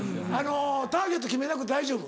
ターゲット決めなくて大丈夫。